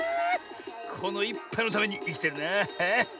このいっぱいのためにいきてるな。